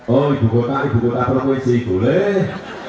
oh ibu kota ibu kota provinsi boleh